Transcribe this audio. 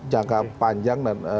jangka panjang dan